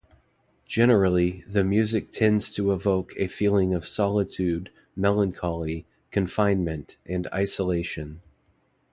Generally the music tends to evoke a feeling of solitude, melancholy, confinement, and isolation.